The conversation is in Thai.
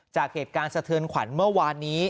จากเหตุการณ์สะเทือนขวัญเมื่อวานนี้